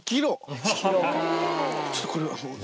ちょっとこれもう。